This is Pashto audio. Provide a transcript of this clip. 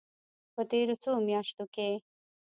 په تېرو څو میاشتو کې